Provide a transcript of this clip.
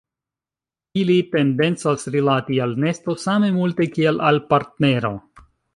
Ili tendencas rilati al nesto same multe kiel al partnero.